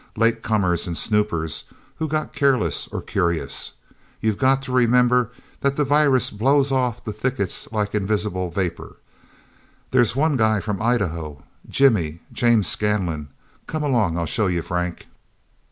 Late comers and snoopers who got careless or curious. You've got to remember that the virus blows off the thickets like invisible vapor. There's one guy from Idaho Jimmy James Scanlon. Come along. I'll show you, Frank..."